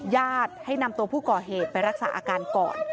ญาติให้นำตัวผู้ก่อเหตุไปรักษาอาการก่อน